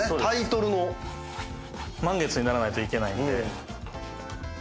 満月にならないといけないんで。